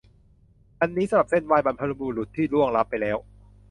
อันนี้สำหรับเซ่นไหว้บรรพบุรุษที่ล่วงลับไปแล้ว